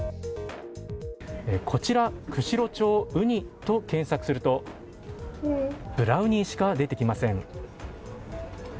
こちら、「釧路町うに」と検索するとブラウニーしか出てきません。